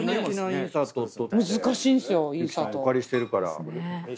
お借りしてるから。